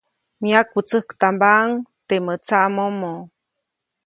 Myakwätsäktambaʼuŋ temäʼ tsaʼmomo.